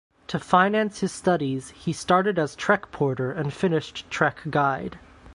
To finance his studies, he started as trek porter and finished trek guide.